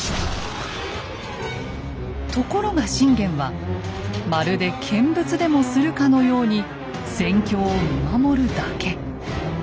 ところが信玄はまるで見物でもするかのように戦況を見守るだけ。